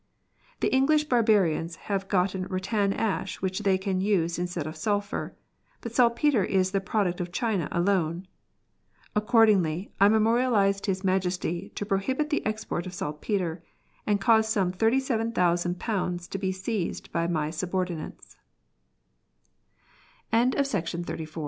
The English barbarians have got rattan ash which they can use instead of sulphur, but saltpetre is the product of China alone. Accordingly, I memorialised His Majesty to prohibit the export of saltpetre, and caused some thirty seven thousand pounds to be seized by my subo